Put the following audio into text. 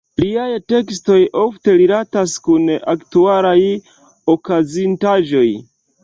Liaj tekstoj ofte rilatas kun aktualaj okazintaĵoj.